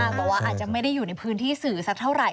บอกว่าอาจจะไม่ได้อยู่ในพื้นที่สื่อสักเท่าไหร